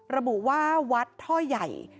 ระบุว่าวัดท่อใหญ่